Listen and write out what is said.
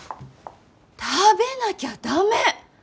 食べなきゃ駄目！